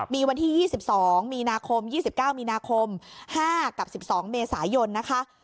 มีวันที่๒๒มีนาคม๒๙มีนาคม๕กับ๑๒เมษายนนะคะ